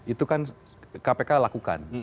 itu kan kpk lakukan